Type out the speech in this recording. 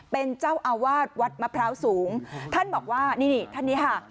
เป็นเจ้าอาวาสวัดมะพร้าวสูงท่านบอกว่านี่นี่ท่านนี้ค่ะ